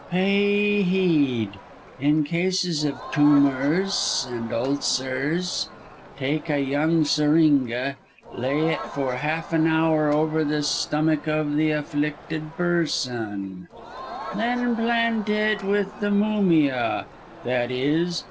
"Pay heed. In cases of tumours and ulcers take a young seringa, lay it for half an hour over the stomach of the afflicted person, then plant it with the mumia, _i.e.